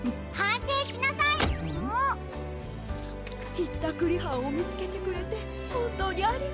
ひったくりはんをみつけてくれてほんとうにありがとう。